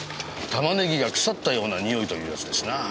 玉ねぎが腐ったようなにおいというやつですな。